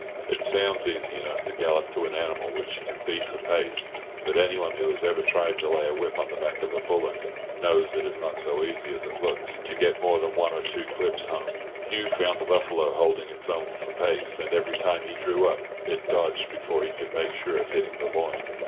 It sounds easy enough to gallop up to an animal which you can beat for pace, but anyone who has ever tried to lay a whip on the back of a bullock knows it is not so easy as it looks to get more than one or two clips home. Hugh found the buffalo holding its own for pace, and every time he drew up it dodged before he could make sure of hitting the loin.